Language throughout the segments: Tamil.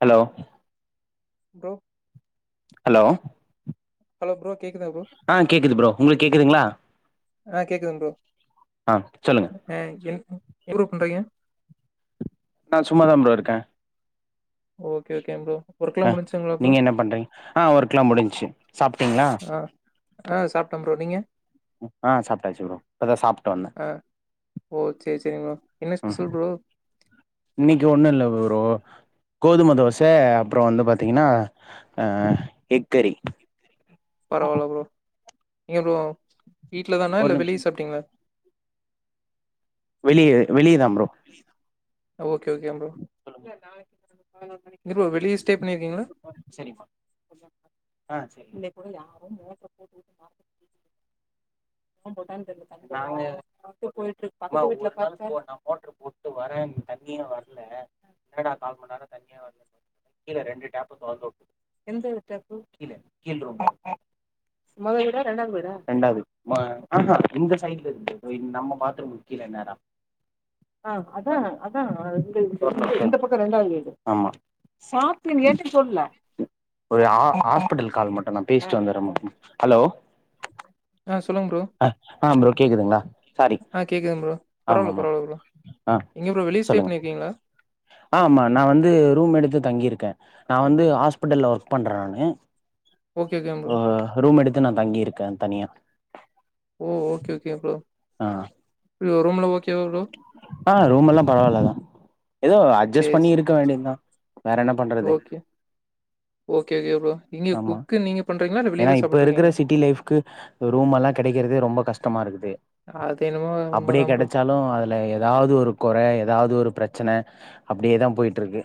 Hello bro hello hello bro கேக்குதா ப்ரோ ஆ கேக்குது ப்ரோ உங்ளுக்கு கேக்குதிங்ளா ஆ கேக்குதுங்க ப்ரோ ஆ சொல்லுங்க எதுரோ பண்றய நா சும்மாதா ப்ரோ இருக்கே ஓகே ஓகேங் ப்ரோ ஒர்க்லா அ முடிஞ்சுங்களா ப்ரோ நீங்க என்ன பண்றீங்க ஆ ஒர்க்கெல்லா முடிஞ்சு சாப்டீங்ளா போ நீங்க ஆ சாப்டாச்சு ப்ரோ இப்பதா சாப்ட்டு வந்தே ஆ ஓ சேரி சேரிங்க ப்ரோ என்ன உம் ஸ்பெஷல் ப்ரோ இன்னைக்கு ஒண்ணு இல்ல ப்ரோ கோதும தோஸ் தே அப்றோ வந்து பாத்தீங்கன்னா அ எக்கறி பரவால்ல ப்ரோ இங்க ப்ரோ வீட்ல தானா ஒரு இல்ல நிமிஷோ வெளிய சாப்ட்டீங்ளா வெளிய வெளியதாம் ஓகே ஓகேங் ப்ரோ எங்க ப்ரோ வெளிய ஸ்டே பண்ணிருக்கீங்களா செரிமா. ஆ செரி மா அவ்ங்க மா ஒரு நாள் போட்டான் மொட்டர் போட்டு வரே தண்ணியே வர்ல என்னடா கால் மண் நேரோ தண்ணியே வர்ல [unintelligible] கீழ ரெண்டு டேப்பூ தொறந்துவுட் [unintelligible] கீழ கீழ் ரூம்ல ரெண்டாது மா ஆ ஹா இந்த சைட்லிருந்து இந்த் நம்ம பாத்ரூம்மு ஆமா ஒரு ஆ ஆஸ்பிட்டல் கால் மட்டுதா பேசிட்டு வந்தர்றே மா ம் ஹலோ ஆ சொல்லுங் ப்ரோ ஆ ஆ ப்ரோ கேக்குதுங்களா சாரி ஆ கேக்குது ப்ரோ பரவால்ல ஆமாமா பரவால்ல ப்ரோ எங்கே ப்ரோ வெளிய ஸ்டே சொல்லுங்க பண்ணிருக்கீங்ளா ஆ ஆமா நா வந்து ரூம் எடுத்து தங்கிருக்கே நா வந்து ஆஸ்பிட்டல்ல ஒர்க் பண்றே நானு ஓகே ஓகேங்க ப்ரோ அ ரூம் எடுத் த்து நா தங்கிருக்கே தனியா ஓ ஓகே ஓகே ப்ரோ ஆ உள்ளு ரூம்ல ஓகே ஆ ரூம் எல்லா பரவால்லதா ஏதோ அட்ஜஸ் சேரி பண்ணி சேரி இருக்க வேண்டிதா வேற என்ன பண்றது ஓகே ஓகே ஓகே ப்ரோ நீங்க ஆமா குக்கு நீங்க பண்றீங்களா இல்ல வெளிய ஏன்னா தா இப்ப இருக்குற சாப்ட்டுருக்கீங்களா சிட்டி லைஃப்க்கு ரூம் எல்லாம் கெடைக்கறதே ரொம்ப கஷ்ட டமா இருக்குது அது என்னமோ அப்படியே உண்மதா ப்ரோ கெடைச்சாலு அதுல ஏதாவது ஒரு கொற ஏதாவது ஒரு பிரச்சன அப்டியேதா போயிட்ருக்கு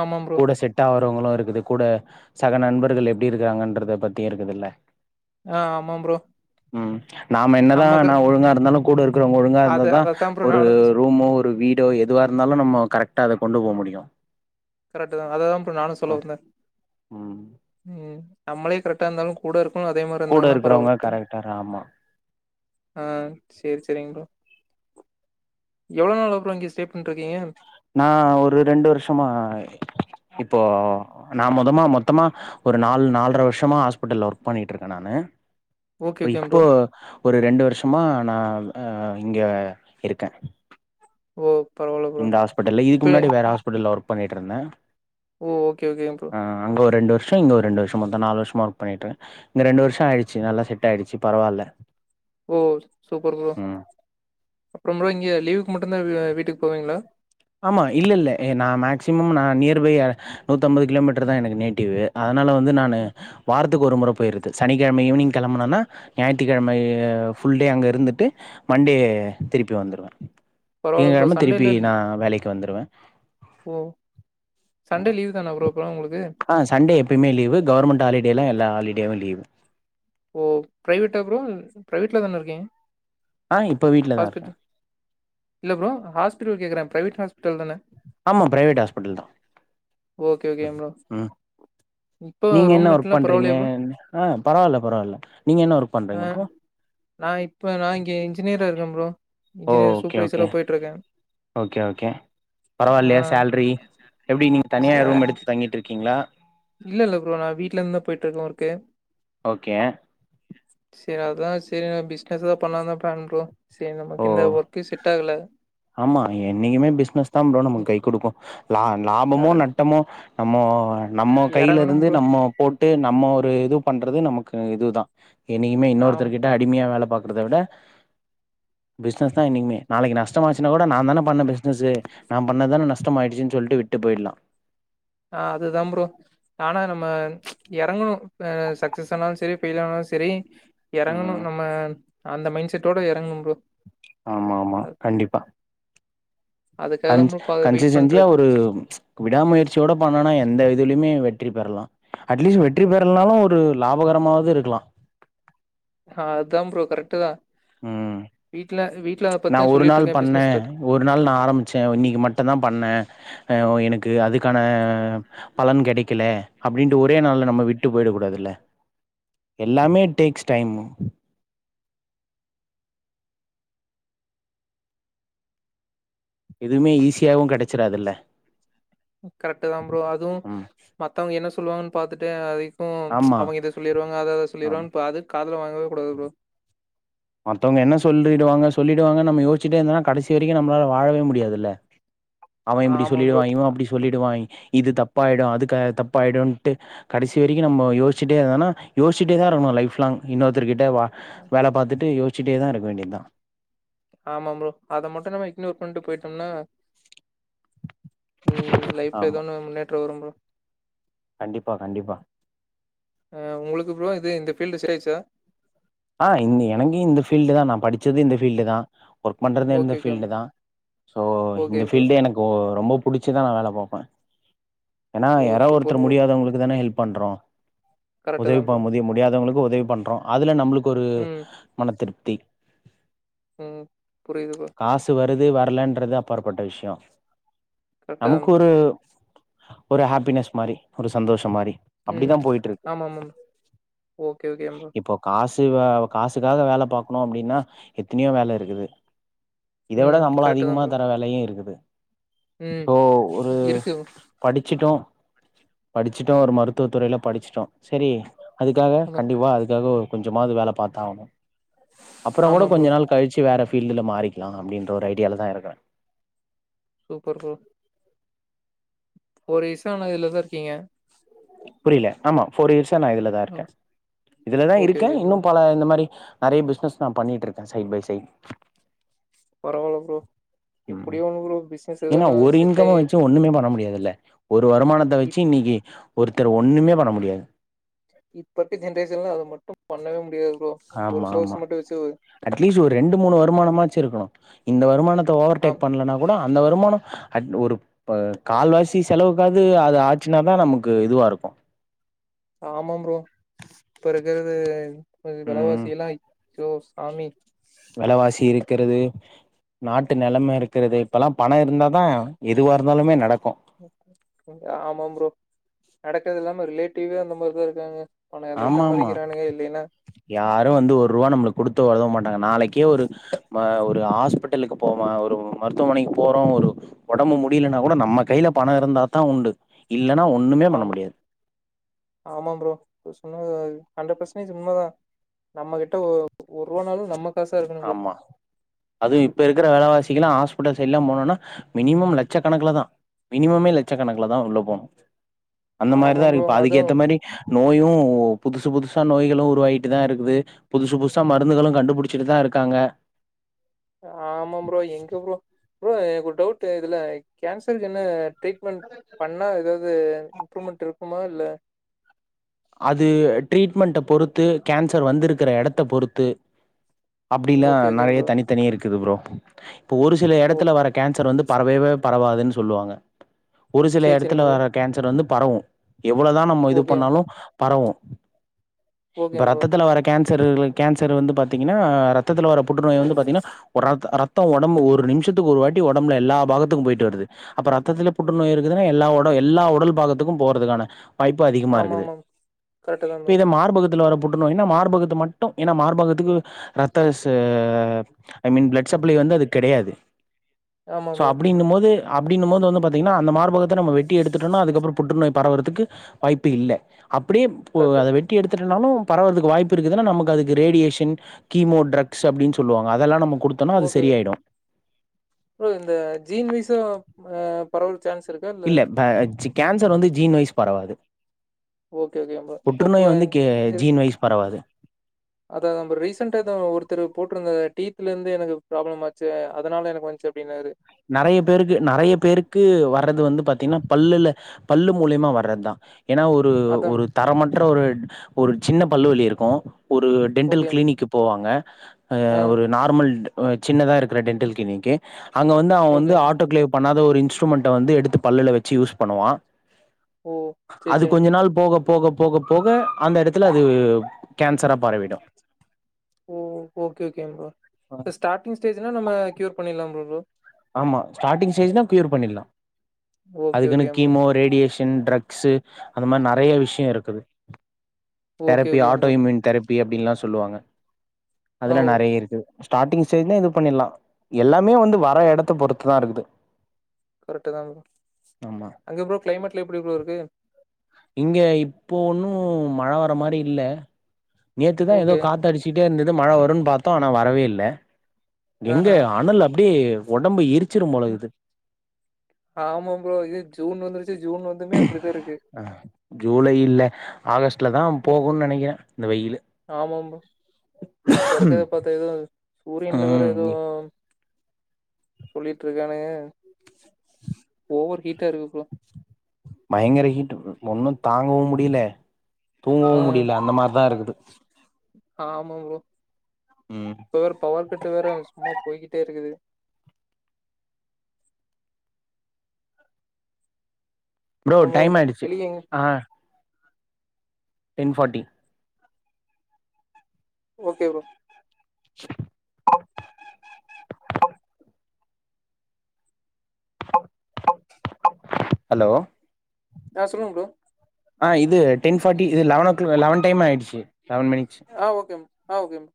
ஆமா ப்ரோ அவுங்களு இருக்குது கூட சக நண்பர்கள் எப்டி இருக்காங்கண்றத பத்தியு இருக்குதுல்ல ஆஹ் ஆமாம் ப்ரோ உம் நாம என்னதா நம்ம க நா ஒழுங்கா இருந்தாலு கூட இருக்றோங்க ஒழுங்கா அத இருந் ஆ அதத்தா ப்ரோ ஒரு நானு ரூமோ ஒரு வீடோ எதுவா இருந்தாலும் நம்ம கரெக்டா கொண்டு போமுடியு கரெட்டுதா அததா ப்ரோ நானு சொல்ல வந்தே ம். உம் நம்மளே கரெக்ட்டா இருந்தாலு கூட இருக் கூட இருக்கறவங்க கரெக்டாராமா ஆஹ் செரி செரிங்க ப்ரோ எவ்வளோ நாள் இங்க ஸ்டே பண்ட்ருக்கீங்க நா ஒரு ரெண்டு வருஷமா இப்போ நா மொதமா மொத்தமா ஒரு நாலு நால்ற வருஷமா ஹாஸ்பிட்டல்ல ஒர்க் பண்ணிட்ருக்கே நானு ஓகே இப்பொ ஓகேங்க ப்ரோ இப்போ ஒரு ரெண்டு ஷமா நா ஆ இங்க இருக்கே ஓ பரவால்ல ப்ரோ இந்த ஹாஸ்பிட்டலே இப்ப இதுக்கு முன்னாடி வேற ஹா்பிட்டல்ல ஒர்க் பண்ணிட்ருந்த ஓ ஓகே ஓகே ப்ரோ ஷ இங்க ஒரு ரெண்டு வருஷ மொத்த நாலு வருஷமா ஒர்க் பண்ணிட்டு இங்க ரெண்டு வருஷ ட் ஆயிடுச்சு நல்லா செட் ஆயிடுச்சு பரவால்ல ஓ சூ சூப்பர் ப்ரோ ம் அப்பற ப்ரோ இங்க லீவுக்கு மட்டுந்தா வீ வீட்டு போவீங்களா ஆமா இல்ல இல்ல ஏ நான் மேக்சிமம் நா நியர்பை நூத்தம்பது கிலோமீட்டர் தா எனக்கு நேட்டிவு அ னால வந்து நானு வார்த் துக்கு ஒரு முற போய்றது சனி கெழம ஈவினி்ங்க் கெளம்பனனா ஞாயித்துக்கெழம ஆஹ் ஃபுல் டே அங்க இருந் ட்டு மண்டே திருப்பி வந்துருவன் பரவால்ல ப்ரோ திங்ககிழம திருப்பி சண்டேல நா வேலைக்கு வந்துருவ ஓ சண்டே லீவ் தான ப்ரோ அப்பல்லா உங்களுக்கு ஆஹ் சண்டே எப்போமே லீவு கவுர்மெண்ட் ஹாலிடேலா எல்லா ஹாலிடேயு லீவு ஓகே ப்ரோ இப்ப வீட்ல தான இருக்கீங்க ஆஹ் இப்ப வீட்லதா இருக்க ஹாஸ்பிட்டல் த்டு கேக்கறே பிரைவேட் ஹாஸ்பிட்டல் தான ஆமா பிரைவேட் ஹாஸ்பிட்டல் தா ஓகே ஓகே ப்ரோ உம் இப்போ நீங்க ரூம் என்ன ஒர்க் மட்டும்லாம் பரவாயில்லையா ப்ரோ பண்றீங்கம் ஆஹ் பரவால்ல பரவால்ல நீங்க என்ன ஒர்க் ஆ பண்றீங்க ப்ரோ ருக்க ப்ரோ ஓ இன்ஜினியர் ஓகே சூப்பர்வைசரா ஓகே போயிட்டு இருக்கேன் ஓகே ஓகே ஆ பரவால்லயே சேல்ரி எப்டி நீங்க தனியா சே ரூம் எடுத்து தங்கிட்டுருக்கீங்களா இல்ல இல்ல ப்ரோ நா வீட்ல இருந்து தா போய்ட்டு இருக்கே ஒர்க்கு ஓகே அதா செரி நா பிஸ்னஸ் தா பண்லாதா பிளான் ப்ரோ செரி ஓ நமக்கு இந்த ஒர்கே செட் ஆகல ஆமா என்னைக்குமே பிஸ்னஸ் தா ப்ரோ ம், நமக்கு கை குடுக்கு லா லாபமோ இற- நட்டமோ நம்மோ நம்மோ கையில இறங்கணும் இருந்து ப்ரோ நம்மோ போட்டு நம்மோ ஒரு இது பண்றது நமக்கு இதுதா என்னைக்குமே ஆம் இன்னொருத்தர்கிட்ட அடிமையா வேல பாக் குறத விட பிஸ்னஸ் தா என்னைக்குமே நாளைக்கி நஷ்டமாச்சுன்னா கூட நா தான பண்ண பிசினஸு நா பண்ணதுதான நஷ்டமாயிடுச்சுன்னு சொல்ட்டு விட்டு போய்லா ஆஹ் அது தா ப்ரோ நானு ரொம் [unintelligible] எறங்கணு ஆஹ் சக்சஸ் ஆனாலு செரி, பெயில் ஆனாலு செரி எறங்கணு ம் நம்ம அந்த மைண்ட் செட்டோட எறங்கணு ப்ரோ. ஆமாமா கண்டிப்பா அதுக்காக தான் கன்ச் ப்ரோ பாத வெயிட் கன்ஸிஸ்டென்ஸியா பண்ட்ருக்கே ஒரு ப்ச் விடாமுயற்சியோட பண்ணுனா எ எந்த இதுலயுமே வெற்றி பெறலா அட்லீஸ்ட் வெற்றி பெறலனாலு ஒரு லாபகரமாவது இருக்கலா ஆஹ் அதா ப்ரோ கரெக்ட் தா. வீட்ல வீட் ப்ச் நா ஒரு நாள் பண்ண, ஒரு நாள் நா ஆரம்பிச்ச இன்னிக்கு மட்டுந்தா பண்ண அஹ் எனக்கு அதுக்கான பலன் கெடக்கல அப்டின்ட்டு ஒரே நாள்ல நம்ம விட்டு போய்டக் கூடாதுல்ல. எல்லாமே டேக்ஸ் டைம் எதுமே ஈஸியாவு கெட கரெக்ட்டுதான் ப்ரோ அதுவு ம் மத்தவங்க என்ன சொ சொல்லுவாங்கனு பாத்துட்டே அதை ம் ஆமா அவங்க இத சொல்லிருவாங்க அத அத ஆம் சொல்லிருவாங்னு பாத்துட் காதுல வாங் காகக் கூடாது ப்ரோ மத்தவங்க என்ன சொல்லிடுவாங்க, சொல்லிடுவாங்கன் நம்ம யோச்சிட்டே இருந்தன்னா கடைசி வரைக்கு நம்மளால வாழவே முடியாதுல்ல. அவெ இப்டி ஆமா ப்ரோ சொல்லிடுவா, இவெ அப்டி சொல்லிடுவாய் இது தப்பாயிடு அதுக்கு தப்பாயிடுன்ட்டு கடைசி வரைக்கு நம்மொ யோசிச்சிட்டே இருந்தன்னா யோசிச்சிட்டேதா இருக்கணு லைஃப் லாங் இன்னொருத்தர்கி ட்ட வ வேல பாத்துட் ன்ட்டு யோசிச்சிட்டேதா இருக்க வேண்டியதா. ஆமாம் ப்ரோ, அத மட்டு நம்ம இக்னோர் பண்ட்டு போய்ட் டொம்ன்னா ம் லைஃப்ல ஆமா எதோ ஒண்ணு முன்னேற்றம் வரும் ப்ரோ. கண்டிப்பா கண்டிப்பா ஆ ஒங்களுக்கு ப்ரோ இது இந்த ஃபீல்ட் சரி ஆயிருச்சா ஆஹ் இந்த எனக்கு இந்த ஃபீல்டுதா நா படிச்சது இந்த ஃபீல்டுதா ஒர்க் பண்றதே இந்த ஓகே ஓகே ப்ரோ ஃபீல்டு தா. ஸோ ஓகே இந்த ப்ரோ ஃபீல்டு எனக்கு ஒ ரொம்பொ புடிச்சிதா நா வேல பாப்பே ஏன்னா ஓ யாரோ ஒருத்தரு சூப்பர் ப்ரோ முடியாதவங்களுக்கு தானே ஹெல்ப் பண்றோ கரெக்ட்டு உதவி தா ப்ரோ பண்ண முதி முடியாதவங்களுக்கு உத உதவி பண்றோ, அதுல நம்மளுக் கொரு மனத்திரு ப்தி உம் புரியுது ப்ரோ ன்றது வரலன்றது அப்பாற்பட்ட விஷயொ கரெக்ட்டு தா நமக்கு ப்ரோ ஒரு ஒரு ஹேப்பினஸ் மாரி ஒரு சந்தோஷம் மாரி உம் அப்டிதா போயிட்ருக்கு ஆமா ஆமா ஓகே ஓகே ப்ரோ த்திவ காசுக்காக வேல பாக்கணு அப்பிடின்னா எத்தனயோ வேல இருக்குது இத விட ம் சம்பளம் கரெக்ட்டு தா அதிகமா ப்ரோ தர வேலயு இருக்குது ம் சோ ஒரு இருக்கு ச் படிச்சிட்டோ படிச்சுட்டோ ஒரு மருத்துவ துறையில படிச்சுட்டோ சரி அதுக்காக அதா கண்டிப்பா அதுக்காக ஒ கொஞ்சமாது வேல பாத்து ஆவணு அப்பறொ கூட ஆமா கொஞ்ச ப்ரோ நாள் கழிச்சு வேற ஃபீல்டுல மாறிக்கலா அப்பிடின்ற ஒரு ஐடியாலதா இருக்குற சூப்பர் ப்ரோ ஒரு இசான இதுலதா இருக்கீங்க புரியல ஆமா ஃபோர் இயர்ஸ் நான் இதுலதான் ம் இருக்கேன் இதுலதான் ஓகே இருக்கேன் ஓகே ப்ரோ இன்னும் பல இந்த மாரி நெறைய பிசினஸ் நான் பண்ணிட்டு இருக்கேன் சைட் பை சைட் பரவால்ல ப்ரோ உம் எப்டியோ ஒன்னு ப்ரோ பிசினஸ் எதோ ஏன்னா ஒன்னு ஒரு செட் இன்கம் ஆயி வச்சு ஒண்ணுமே பண்ண முடியாதுல்ல ஒரு வருமானத்தை வச்சு இப் இன்னைக்கு ஒருத்தர் ஒண்ணுமே பண்ண முடியாது இப்பத்தி ஜென்ரேஷன்ல அது மட்டும் பண்ணவே முடியாது ப்ரோ ஒரு ஆமா ஆமா சோர்ஸ் மட்டு வச்சு அட்லீஸ்ட் ஒரு ரெண்டு மூணு வருமானமாது இருக்கணும் இந்த வருமானத் ஓவர் ஆ டெக் பண்ணலேன்னா கூட அந்த வருமானம் அட் ஒரு கால்வாசி செலவுக்காவது அது ஆச்சுனாதான் நமக்கு இதுவா இருக்கும் ஆமாம் ப்ரோ இப்ப இருக்கிறது கொஞ்ச ம் வெலவாசிலாம் சோ சாமி வெலவாசி இருக்கிறது நாட்டு நிலைமை இருக்கிறது இப்ப எல்லாம் பணம் இருந்தா தான் எதுவா இருந்தாலுமே நடக் ஆமாம் ப்ரோ நடக்குது இல்லாம ரிலேட்டிவே அந்த மாதிரி தான் இருக்காங்க பணம் இருந்தா ஆமா தான் ஆமா மதிக்கிறானுங்க இல்லேன்னா யாரும் வந்து ஒரு ரூவா நம்ம கொடுத்து உதவமாட்டாங்க நாளைக்கே ஒரு ஒரு ஹாஸ்பிடலுக்கு போவான் ஒரு மருத்துவமனைக்கு போறோம் ஒரு உடம்பு முடியலன்னா கூட நம்ம கையில பணம் இருந்தாதான் உண்டு இல்லன்னா ஒண்ணுமே பண்ண ஆம் முடியாது உண்ம அது ஹண்டர் பர்சன்டேஜ் உண்ம தா நம்ம கிட்ட ஒ ஒர்வாநாளு நமக் ஆமா அது இப்ப இருக்குற வெலவாசி இங்கெல்லா ஹாஸ்பிடல்ஸ் சைடுல்லா போனோன்னா மினிமம் லட்ச கணக்குல தா மினிமமே லட்ச கணக்குல தா உள்ள போணு அந்த ஆமா மாரிதா இருக்கு ப்ரோ இப்ப அதுவு அதுக்கேத்த மாரி நோயு புதுசு புதுசு த நோய்களு உருவாயிட்டு தா இருக்குது புதுசு புஸ்சா மருந்துகளு கண்டுபிடிச்சிட்டு தா இருக் காங்க ஆமாம் ப்ரோ எங்க ப்ரோ ப்ரோ எனக்கு ஒரு டவுட்டு இதுல கேன்சருக்கு என்ன ட்ரீட்மெண்ட் பண்ணா ஏதாது ம்ரூமெண்ட் இருக்குமா இல்ல அது ட்ரீட்மெண்ட பொறுத்து கேன்சர் வந்துருக்குர எடத்த பொறுத்து அப்டிலா ஓகே ஓகே நெறைய ப்ரோ தனித்தனி இருக்குது ப்ரோ இப்போ ஒரு சில ஓ எடத்துல வர்ற கேன்சர் வந்து பரவவே பரவாதுனு சொல்லுவாங்க ஒரு சில சேரி எடத்துல சேரிங் ப்ரோ வர்ற கேன்சர் வந்துப் பரவு எவ்ளோதா நம்ம இது ஓகே பண்ணாலு பரவு ஓகே இப்ப ப்ரோ ரத்தத்துல வர்ற கேன் தெருல கேன்சர் வந்து பாத்தீங்கன்னா ரத்தத்துல வர்றப் புற்றுநோய் வந்து பாத்திங்கனா ஒரு ரத் ரத் த்தோ ஒடம்பு ஒரு நிமிஷத்துக்கு ஒரு வாட்டி ஒடம்புல எல்லா பாகதுக்கு போயிட்டு வருது அப்ப ரத்தத்துல புற்றுநோய் இருக்குதுனா எல்லா ஒ எல்லா உடல் பாகதுக்கும் போறதுக்கான வாய்ப்பு அதிகமா இருகுது கரெக்ட்தாங்க மார்பகத்தில வர்ற புற்றுநோயினா மார்பகத்த மட்டு ஏனா மார்பகத்துக்கு ரத்த ச ஐ மீன் பிளட் சப்ளை வந்து அதுக்கு கிடையாது ஆமா சோ ப்ரோ அப்டிங்கும் போது அப்படினும் போது வந்து பாத்தீங்கன்னா அந்த மார்பகத்த நம்ம வெட்டி எடுத்துட்டோனா அதுக்கு அப்ரோ புற்றுோய் பரவுவதற்கு வாய்ப்பு இல்ல அப்படியே போ கரெக்ட்டு அத வெட்டி எடுத்துட்டுனாலும் பரவுவதற்கு வாய்ப்பு இருக்கு நமக்கு அதுக்கு ரேடியேஷன் கீமோ டக்ஸ் அப்படின்னு சொல்லுவாங்க அதெல்லாம் நமக் ஓகே இந்த ப்ரோ ஜீன் வைசா நம்ப பரவல் சான்ஸ் இருக்கா இல்ல ப சி கேன்சர் வந்து ஜீன் வய்ஸ் பரவாது ஓகே ஓகே ப்ரோ இப்போ புற்றுநோய் வந்து கே ஜீன் வயஸ் பரவாது அதான்தா ப்ரோ ரீசென்டாதா ஒருத்தரு போட்டிருந்த டீத்துல இருந்து எனக்கு ப்ராப்ளம் ஆச்சு அதனால எனக்கு வந்ச்சு அப்படின்னாரு நறைய பேருக்கு நறைய பேருக்கு வர்றது வந்து பாத்தீங்கன்னா பல்லுல பல்லு மூலியமா வர்றத்தான் ஏன்னா ஒரு அதான் ஒரு தரமற்ற ஒரு ஒரு சின்ன பல்லுவலி இருக்கு ஒரு டென்டல் ஓகேங்க. கிளினிக்கு போவாங்க ஆ அஹ் ஒரு நார்மல் சின்னதா இருக்கிற டென்டல் கிளினி்க்கி அங்க வந்து அவன் வந்து ஓகேங்க. ஆட்டோ கிளேவ் பண்ணாத ஒரு இன்ஸ்ட்ருமெண்டை வந்து எடுத்து பல்லுல வச்சு யூஸ் பண்ணுவான் ஓ! சரி, அது சரிங்க. கொஞ்ச நாள் போகப் போக போக போக அந்த எடத்துல அது கேன் ஓ ஓகே ஓகே ப்ரோ ஸ்டார்டிங் ஸ்டேஜ்னா நம்ம க்யூர் பண்ணிட்லாமா ப்ரோ. ஆமா ஸ்டார்டிங் ஸ்டேஜ்னா கியூர் பண்ணிர்லா ஓகே, அதுக்குன்னு ஓகேங்க ப்ரோ. கீமோ ரேடியேஷன் இன் ட்ரக்சு அந்த மாரி நெறயா விஷ்யோ இருக்குது ஓகே, தெரப்பி ஓகேங்க ஆட்டோ ப்ரோ. ம்யூன் தெரப் பி அப்டின்ல்லா சொல்லுவாங்க ஆ அதுல ஓ! நெறயா இருக்குது ஸ்டார்டிங் ஸ்டேஜ்ன்னா இது பண்ணிட்லாம் எல்லாமே வந்து வர எடத் பொறுத்துதான் இருக்குது கரெக்ட் தான் ப்ரோ ஆமா அங்க ப்ரோ கிளைமேட்லாம் எப்டி ப்ரோ இருக்கு இங்க இப்போ ஒன்னும் மழ வரமாரி இல்ல நேத்துதான் ஏதோ ஓகே. காத் அடிச்சிட்டே இருந்தது மழ வரும்னு பாத்தோம் ஆனா வரவே இல்ல எங்கே அனல் அப் அப்படியே ஒடம்பு இருக் ஆமாம் ப்ரோ இது ஜூன் வந்துருச் அஹ் ஜூலை இல்ல ஆகஸ்ட் ட்லதான் ம். போகும்ன்னு நெனைக்கிறேன் இந்த வெயிலு பறக்கத பார்த்தா எது சூரியன்ல வேற ம் எதோம் சொல்லிட்டு இருக்கானுக ஓவர் ஹீட் பயங்கர ஹீட்டு ஒன்னும் தாங்கவும் முடில தூங்கவும் முடியல அந்த மாரிதா இருக்குது ஆமாம் புரோ ம் இப்ப வேற பவர் கட்டு வேற சும்மா போய்கிட்டே இருக்குது ப்ரோ அப்றோ டைம் ஆயிடுச்சு வெளிய எங்க ஆஹ் ten forty okay bro hello ஆஹ் சொல்லுங்க ப்ரோ ஆஹ இது டென் ஃபாட்டி இது லெவன் ஓ லெவன் டைம் ஆயிடுச்சி ஆஹ் ஓகே ம் ஆ ஓகே ம்